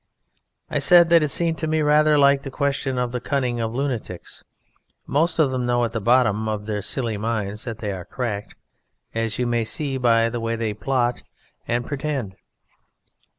I said that it seemed to me rather like the question of the cunning of lunatics; most of them know at the bottom of their silly minds that they are cracked, as you may see by the way they plot and pretend.